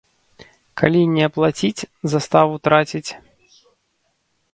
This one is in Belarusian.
Калі не аплаціць, заставу траціць.